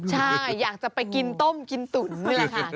ใช่อยากจะไปกินต้มกินตุ๋นนี่แหละค่ะ